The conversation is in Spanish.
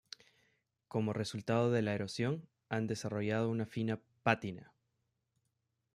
Como resultado de la erosión, han desarrollado una fina pátina.